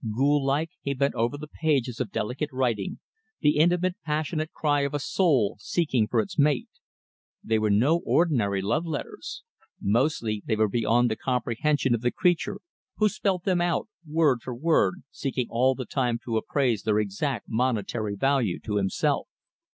Ghoul like he bent over the pages of delicate writing, the intimate, passionate cry of a soul seeking for its mate. They were no ordinary love letters. Mostly they were beyond the comprehension of the creature who spelt them out word for word, seeking all the time to appraise their exact monetary value to himself.